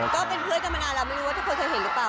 ก็เป็นเพื่อนกันมานานเราไม่รู้ว่าทุกคนเคยเห็นหรือเปล่า